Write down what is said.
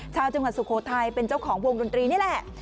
ชาวจังหวัดสุโขทัยเป็นเจ้าของวงดนตรีนี่แหละ